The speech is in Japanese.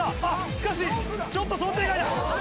しかしちょっと想定外だ。